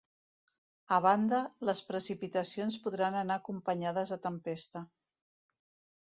A banda, les precipitacions podran anar acompanyades de tempesta.